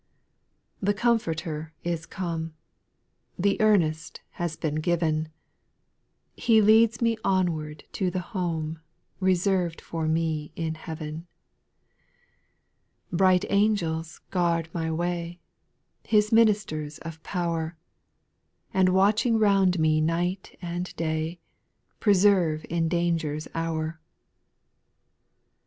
4. The Comforter is come, The earnest has been given ; He leads me onward to the home, Reserved for me in heaven, 5. Bright angels guard my way, His ministers of power, And watching round me night and day, Preserve in danger's hour.